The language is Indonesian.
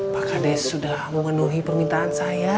pak kades sudah memenuhi permintaan saya